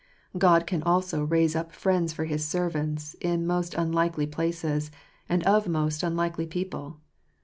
God can also raise up friends for his servants in most un likely places, and of most unlikely people.